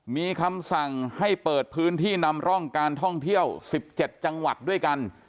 มีคำสั่งให้เปิดพื้นที่นำร่องการท่องเที่ยว๑๗จังหวัดด้วยกัน